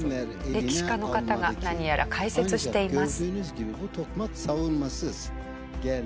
歴史家の方が何やら解説しています。